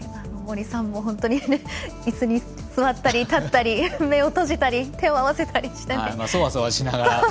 森さんも本当にいすに座ったり立ったり目を閉じたり手を合わせたりしながら。